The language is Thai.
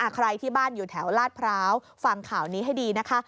ใครที่บ้านอยู่แถวลาดพร้าวฟังข่าวนี้ให้ดีนะคะ